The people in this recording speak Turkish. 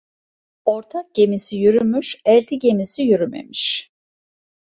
Ortak gemisi yürümüş, elti gemisi yürümemiş.